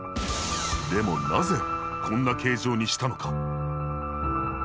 でもなぜこんな形状にしたのか？